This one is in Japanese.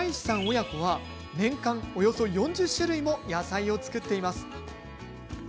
親子は年間およそ４０種類も野菜を作っています。